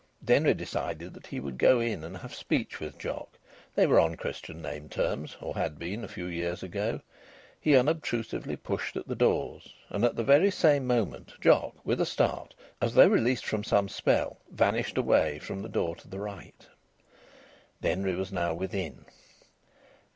Denry decided that he would go in and have speech with Jock. They were on Christian name terms, or had been a few years ago. He unobtrusively pushed at the doors, and at the very same moment Jock, with a start as though released from some spell vanished away from the door to the right. Denry was now within.